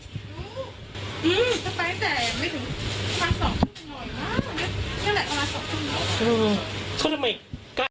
อืมจะไปแต่ไม่ถึงมาสองทุ่มหน่อยมากนั่นแหละก็มาสองทุ่มหน่อยเออ